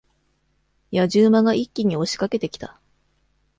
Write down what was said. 野次馬が一気に押し掛けてきた。